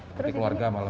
seperti keluarga malah